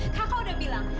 kakak udah bilang